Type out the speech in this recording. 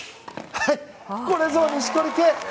これぞ錦織圭！